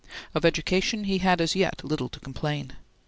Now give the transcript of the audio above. Of education he had as yet little to complain.